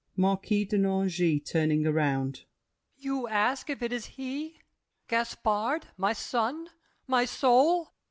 MARQUIS DE NANGIS (turning around). You ask If it is he—Gaspard, my son, my soul?